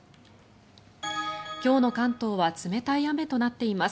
今日の関東は冷たい雨となっています。